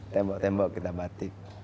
tembok tembok kita batik